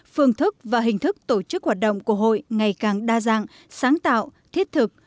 phương thức và hình thức tổ chức hoạt động của hội ngày càng đa dạng sáng tạo thiết thực